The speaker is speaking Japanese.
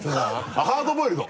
あっ「ハードボイルド」！